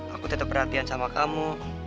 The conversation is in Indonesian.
aku tetap perhatian sama kamu